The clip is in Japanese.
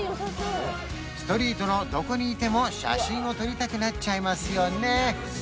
ストリートのどこにいても写真を撮りたくなっちゃいますよね